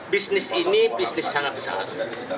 bisnis ini bisnis sangat besar